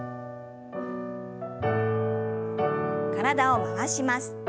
体を回します。